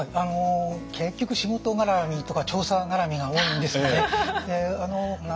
結局仕事がらみとか調査がらみが多いんですよね。